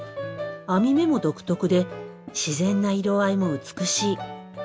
網目も独特で自然な色合いも美しい。